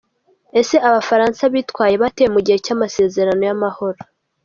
Ese abafaransa bitwaye bate mu gihe cy’amasezerano y’amahoro.